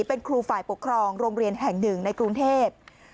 เป็นครูฝ่ายปกครองโรงเรียนแห่งหนึ่งในกรุงเทพ